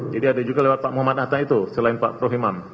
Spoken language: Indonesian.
jadi ada juga lewat pak muhammad harta itu selain pak prof imam